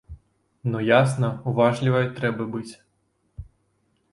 Ну ясна, уважлівай трэба быць.